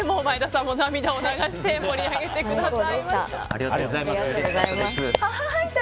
前田さんも涙を流して盛り上げてくださいました。